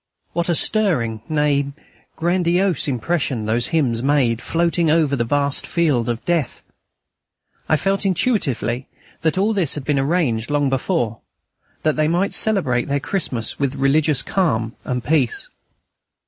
What a stirring, nay, grandiose, impression those hymns made, floating over the vast field of death! I felt intuitively that all this had been arranged long before, that they might celebrate their Christmas with religious calm and peace.